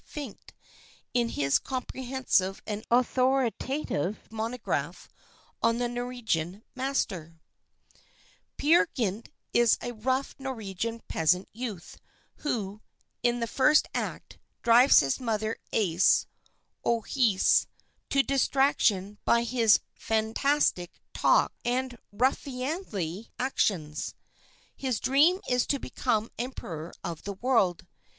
Finck in his comprehensive and authoritative monograph on the Norwegian master: "Peer Gynt is a rough Norwegian peasant youth, who, in the first act, drives his mother Aase (Ohse) to distraction by his fantastic talk and ruffianly actions. "His dream is to become emperor of the world.